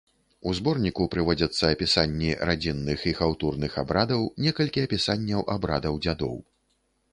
У зборніку прыводзяцца апісанні радзінных і хаўтурных абрадаў, некалькі апісанняў абрадаў дзядоў.